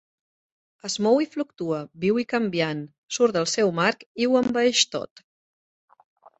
Es mou i fluctua, viu i canviant, surt del seu marc i ho envaeix tot.